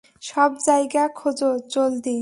সব জায়গা খোঁজো, জলদি।